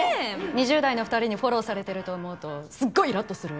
２０代の２人にフォローされてると思うとすっごいイラッとする。